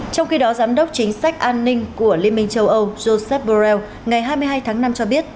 trong khi đó giám đốc chính sách an ninh của liên minh châu âu joseph borrell ngày hai mươi hai tháng năm cho biết